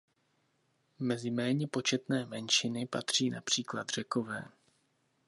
Mezi méně početné menšiny patří například Řekové.